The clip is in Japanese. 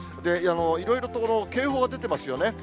いろいろと警報が出てますよね。